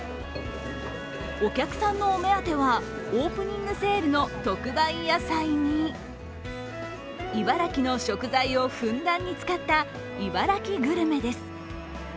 お客さんのお目当てはオープニングセールの特売野菜に茨城の食材をふんだんに使った茨城グルメです。